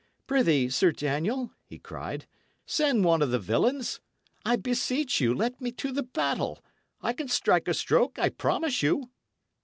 "Prithee, Sir Daniel," he cried, "send one of the villains! I beseech you let me to the battle. I can strike a stroke, I promise you."